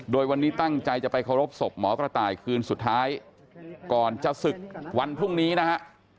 โดยวันนี้ตั้งใจจะไปเคารพศพหมอกระต่ายคืนสุดท้ายก่อนจะศึกวันพรุ่งนี้นะฮะ